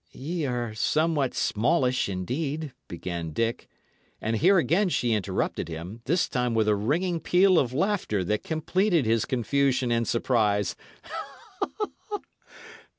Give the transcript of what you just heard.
"Ye are something smallish, indeed" began Dick. And here again she interrupted him, this time with a ringing peal of laughter that completed his confusion and surprise.